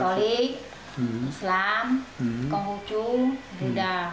katolik islam kunghucu buddha